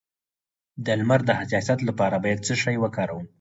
د لمر د حساسیت لپاره باید څه شی وکاروم؟